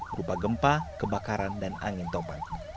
berupa gempa kebakaran dan angin tobat